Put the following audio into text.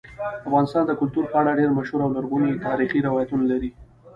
افغانستان د کلتور په اړه ډېر مشهور او لرغوني تاریخی روایتونه لري.